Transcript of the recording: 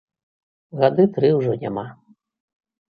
Гады тры ўжо няма.